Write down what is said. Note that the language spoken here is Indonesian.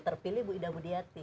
terpilih bu ida budiati